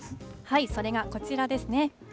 それがこちらですね。